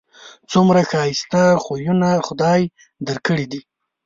څومره ښایسته خویونه خدای در کړي دي